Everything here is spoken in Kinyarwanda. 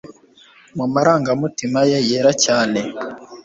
Mu marangamutima ye yera cyane